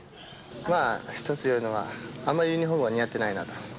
まあ、一つ言えるのはあのユニホームは似合っていないなと。